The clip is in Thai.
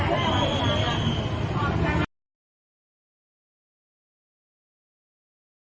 สวัสดีครับคุณพลาด